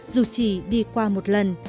dù chỉ đi qua một lần